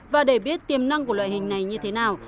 và để biết tiềm năng của loại hình này như thế nào